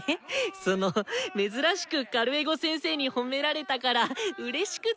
その珍しくカルエゴ先生に褒められたからうれしくて。